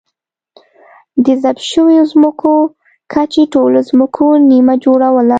د ضبط شویو ځمکو کچې ټولو ځمکو نییمه جوړوله.